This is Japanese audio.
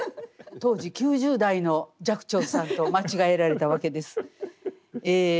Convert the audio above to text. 当時９０代の寂聴さんと間違えられたわけです。